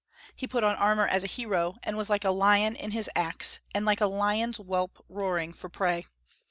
He put on armor as a hero, and was like a lion in his acts, and like a lion's whelp roaring for prey.